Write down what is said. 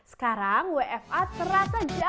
sekarang kamarku sudah didekor oleh cetak foto kekinian